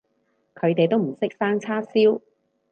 佢哋都唔識生叉燒